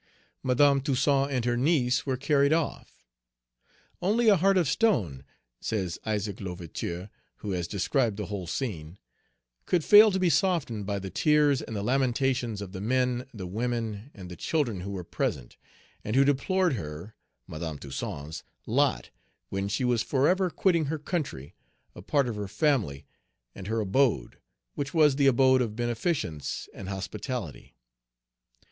Madame Toussaint and her niece were carried off. "Only a heart of stone," says Isaac L'Ouverture, "Mémoires d'Isaac, fils de Toussaint L'Ouverture," &c., p. 309. who has described the whole scene, "could fail to be softened by the tears and the lamentations of the men, the women, and the children who were present, and who deplored her (Madame Toussaint's) lot, when she was forever quitting her country, a part of her family, and her Page 233 abode, which was the abode of beneficence and hospitality.